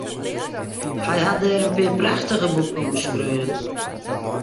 Hy hat dêr in pear prachtige boeken oer skreaun.